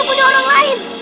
itu punya orang lain